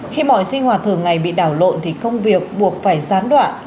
khi mọi sinh hoạt thường ngày bị đảo lộn thì công việc buộc phải gián đoạn